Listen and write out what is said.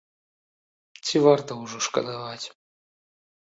Ці варта ўжо шкадаваць?